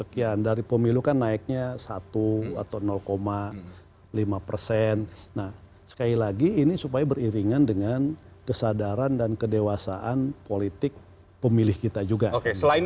kami akan segera kembali